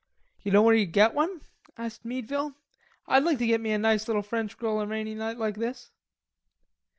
"You know where you get one?" asked Meadville. "I'd like to get me a nice little French girl a rainy night like this."